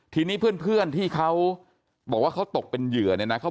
ทีนี้เพื่อนที่เขาตกเป็นเหยื่อ